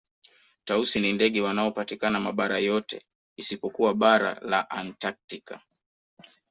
Tausi ni ndege wanaopatikana mabara yote isipokuwa bara la antaktika